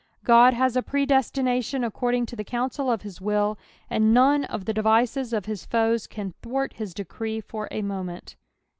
God has a predestination according to the counsel of hiswill, and none of the devices of his foes can thwart his decree for a moment.